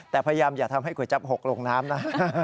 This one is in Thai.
แต่พยายามอย่าทำให้ก๋วยจับหกลงน้ำนะ